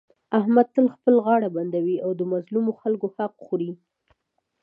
احمد تل خپله غاړه بندوي او د مظلومو خلکو حق خوري.